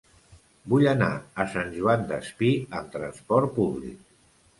Vull anar a Sant Joan Despí amb trasport públic.